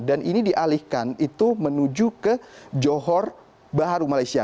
dan ini dialihkan itu menuju ke johor baharu malaysia